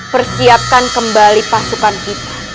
persiapkan kembali pasukan kita